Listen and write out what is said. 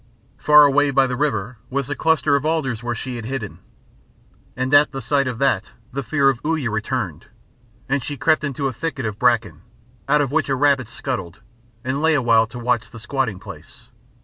Far away by the river was the cluster of alders where she had hidden. And at the sight of that the fear of Uya returned, and she crept into a thicket of bracken, out of which a rabbit scuttled, and lay awhile to watch the squatting place.